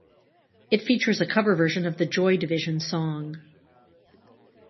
It features a cover version of the Joy Division song.